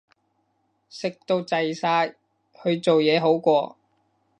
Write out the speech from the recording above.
食到滯晒，去做嘢好過